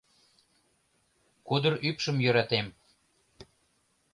Кудыр ӱпшым йӧратем.